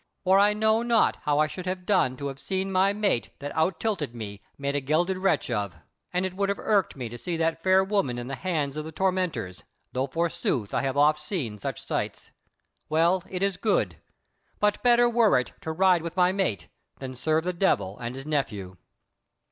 For I know not how I should have done to have seen my mate that out tilted me made a gelded wretch of; and it would have irked me to see that fair woman in the hands of the tormentors, though forsooth I have oft seen such sights. Well, it is good; but better were it to ride with my mate than serve the Devil and his Nephew."